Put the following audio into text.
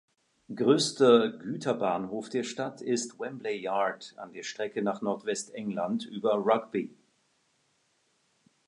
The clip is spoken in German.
Größter "Güterbahnhof" der Stadt ist Wembley Yard an der Strecke nach Nordwestengland über Rugby.